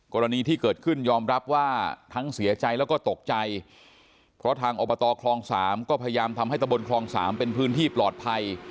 กรณีที่เกิดขึ้นยอมรับว่าทั้งเสียใจแล้วก็ตกใจเพราะทางอบตคลอง๓ก็พยายามทำให้ตะบนคลอง๓เป็นพื้นที่ปลอดภัย